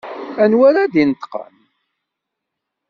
Anwa ara d-ineṭṭqen?